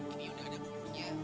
ini udah ada buburnya